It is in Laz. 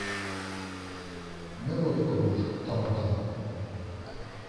Mevot̆ǩobur tamo tamo.